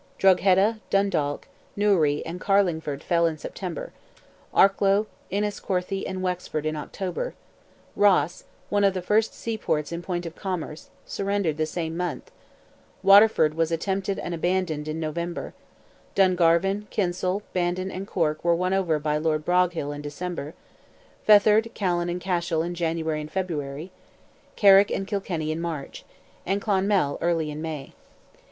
Drogheda, Dundalk, Newry, and Carlingford fell in September; Arklow, Enniscorthy, and Wexford in October; Ross, one of the first seaports in point of commerce, surrendered the same month; Waterford was attempted and abandoned in November; Dungarvan, Kinsale, Bandon, and Cork were won over by Lord Broghill in December; Fethard, Callan, and Cashel in January and February; Carrick and Kilkenny in March; and Clonmel, early in May.